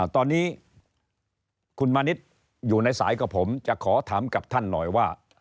ตอนนี้คุณมณิษฐ์อยู่ในสายกับผมจะขอถามกับท่านหน่อยว่า